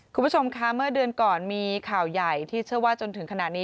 คุณผู้ชมคะเมื่อเดือนก่อนมีข่าวใหญ่ที่เชื่อว่าจนถึงขณะนี้